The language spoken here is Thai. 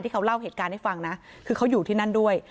เขาเล่าเหตุการณ์ให้ฟังนะคือเขาอยู่ที่นั่นด้วย